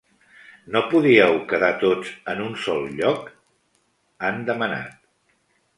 “No podíeu quedar tots en un sol lloc?”, han demanat.